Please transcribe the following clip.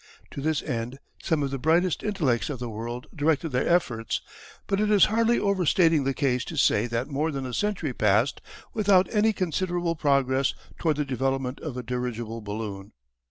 To this end some of the brightest intellects of the world directed their efforts, but it is hardly overstating the case to say that more than a century passed without any considerable progress toward the development of a dirigible balloon. [Illustration: Charles's Balloon.